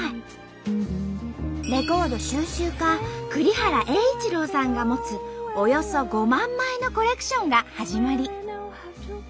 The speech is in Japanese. レコード収集家栗原榮一朗さんが持つおよそ５万枚のコレクションが始まり。